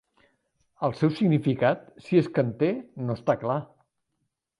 El seu significat, si és que en té, no està clar.